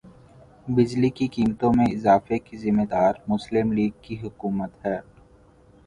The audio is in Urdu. بجلی کی قیمتوں میں اضافے کی ذمہ دار مسلم لیگ کی حکومت ہے